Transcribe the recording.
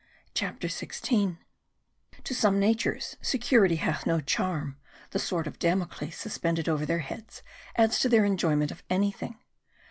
CHAPTER XVI To some natures security hath no charm the sword of Damocles suspended over their heads adds to their enjoyment of anything.